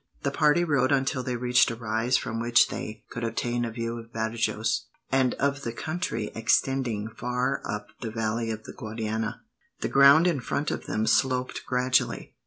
The party rode until they reached a rise from which they could obtain a view of Badajos, and of the country extending far up the valley of the Guadiana. The ground in front of them sloped gradually.